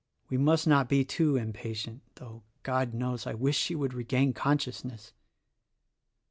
We must not be too impatient; though, God knows, I wish she would regain consciousness!"